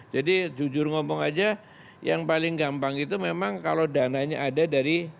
jadi jujur ngomong aja yang paling gampang itu memang kalau dananya ada dari apbn sih